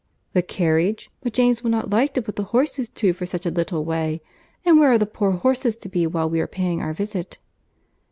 "The carriage! But James will not like to put the horses to for such a little way;—and where are the poor horses to be while we are paying our visit?"